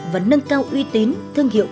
và nâng cao uy tín thương hiệu